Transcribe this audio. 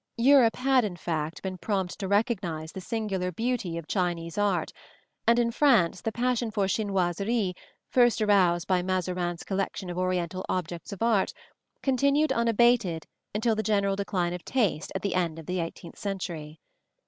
Europe had, in fact, been prompt to recognize the singular beauty of Chinese art, and in France the passion for chinoiseries, first aroused by Mazarin's collection of Oriental objects of art, continued unabated until the general decline of taste at the end of the eighteenth century.